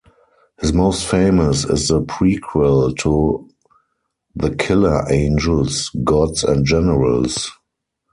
His most famous is the prequel to "The Killer Angels", "Gods and Generals".